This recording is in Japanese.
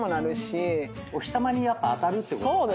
お日さまにやっぱ当たるってことがね